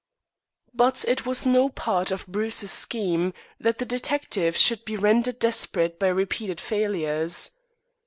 But it was no part of Bruce's scheme that the detective should be rendered desperate by repeated failures.